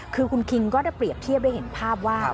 คือคุณคิงก็ได้เปรียบเทียบได้เห็นภาพว่า